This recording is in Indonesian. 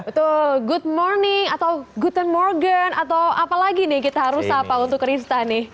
betul good morning atau guten morgen atau apa lagi nih kita harus sapa untuk rista nih